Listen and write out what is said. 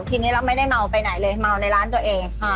ทีนี้เราไม่ได้เมาไปไหนเลยเมาในร้านตัวเอง